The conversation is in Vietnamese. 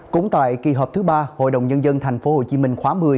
cũng tại kỳ họp thứ ba hội đồng nhân dân thành phố hồ chí minh khóa một mươi